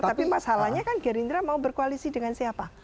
tapi masalahnya kan gerindra mau berkoalisi dengan siapa